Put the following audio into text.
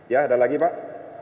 ya ada lagi pak